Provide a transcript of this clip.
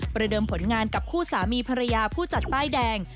ประเดิมผลงานกับคู่สามีภรรยาผู้จัดป้ายแดง